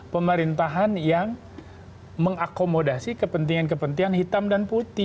pemerintahan yang mengakomodasi kepentingan kepentingan hitam dan putih